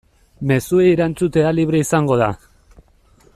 Mezuei erantzutea libre izango da.